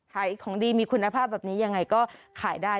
ขายของดีมีคุณภาพแบบนี้ยังไงก็ขายได้